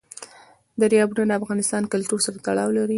دریابونه د افغان کلتور سره تړاو لري.